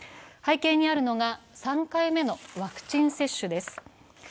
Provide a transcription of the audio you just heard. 背景にあるのが３回目のワクチン接種です。